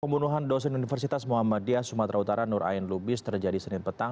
pembunuhan dosen universitas muhammadiyah sumatera utara nur ain lubis terjadi senin petang